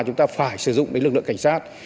chúng ta phải sử dụng lực lượng cảnh sát